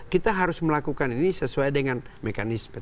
kita harus melakukan ini sesuai dengan mekanisme